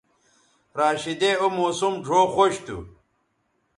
راشدے او موسم ڙھؤ خوش تھو